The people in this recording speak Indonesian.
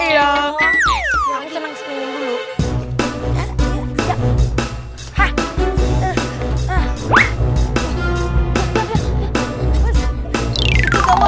ya kita menangis dulu